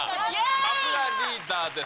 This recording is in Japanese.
さすがリーダーです。